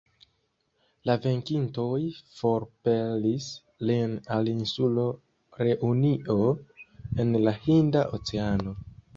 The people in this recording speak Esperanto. La venkintoj forpelis lin al insulo Reunio, en la Hinda Oceano.